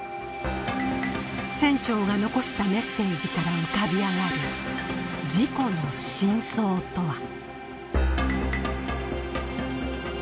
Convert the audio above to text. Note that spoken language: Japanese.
船長が残したメッセージから浮かび上がる事故の真相とは。